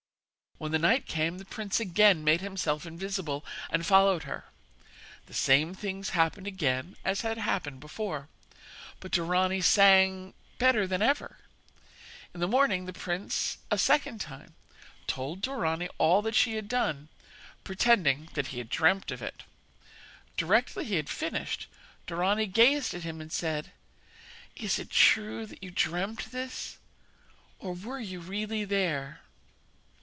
When night came the prince again made himself invisible and followed her. The same things happened again as had happened before, but Dorani sang better than ever. In the morning the prince a second time told Dorani all that she had done, pretending that he had dreamt of it. Directly he had finished Dorani gazed at him, and said: 'Is it true that you dreamt this, or were you really there?'